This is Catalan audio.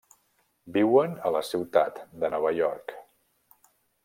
Viuen a la ciutat de Nova York.